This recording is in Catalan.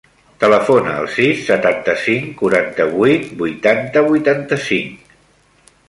Telefona al sis, setanta-cinc, quaranta-vuit, vuitanta, vuitanta-cinc.